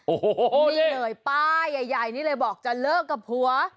โอ้โหนี่เลยป้ายใหญ่นี่เลยบอกจะเลิกกับผัว